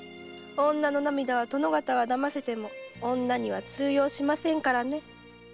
女の涙は殿方は騙せても女には通用しませんからね。